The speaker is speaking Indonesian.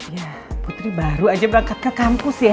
ya putri baru aja berangkat ke kampus ya